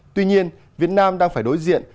tuy nhiên việt nam đang phải đối diện